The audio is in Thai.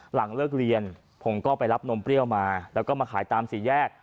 หลังเลิกเรียนผมก็ไปรับนมเปรี้ยวมาแล้วก็มาขายตามสี่แยก